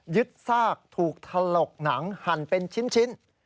ซากถูกถลกหนังหั่นเป็นชิ้น